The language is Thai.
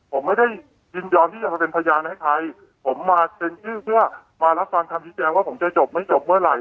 ผมไม่ได้ยินยอมที่จะมาเป็นพยานให้ใครผมมาเซ็นชื่อเพื่อมารับฟังคำชี้แจงว่าผมจะจบไม่จบเมื่อไหร่